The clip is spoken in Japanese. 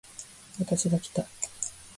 私がきた